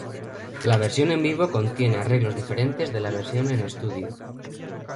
La versión en vivo contiene arreglos diferentes de la versión en estudio.